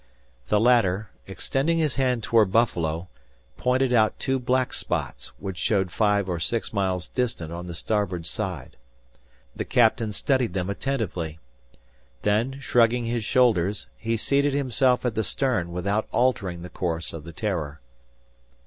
The latter, extending his hand toward Buffalo, pointed out two black spots, which showed five or six miles distant on the starboard side. The captain studied them attentively. Then shrugging his shoulders, he seated himself at the stern without altering the course of the "Terror."